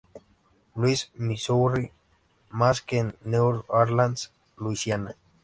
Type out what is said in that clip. Louis, Missouri más que en New Orleans, Louisiana.